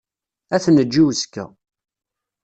Ad t-neǧǧ i uzekka.